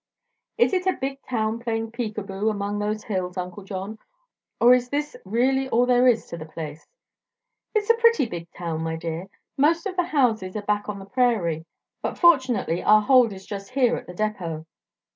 "Is it a big town playing peek a boo among those hills, Uncle John, or is this really all there is to the place?" "It's a pretty big town, my dear. Most of the houses are back on the prairie, but fortunately our hold is just here at the depot."